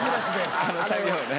あの作業をね。